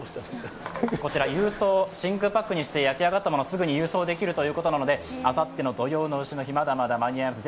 こちら、真空パックにして焼き上がったものをすぐに郵送できるということなので、あさっての土用の丑の日、まだまだ間に合います。